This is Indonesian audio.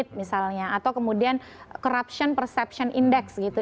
intelejen unit misalnya atau kemudian corruption perception index gitu